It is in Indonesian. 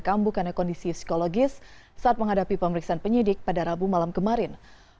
kambuh karena kondisi psikologis saat menghadapi pemeriksaan penyidik pada rabu malam kemarin